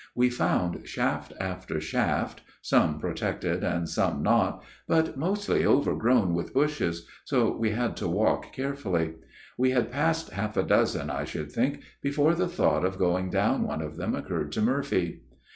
We found shaft after shaft, some protected and some not, but mostly overgrown with bushes, so we had to walk carefully. We had passed half a dozen, I should think, before the thought of going down one of them occurred to Murphy.